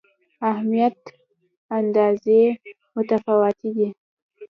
اهمیت اندازې متفاوتې دي.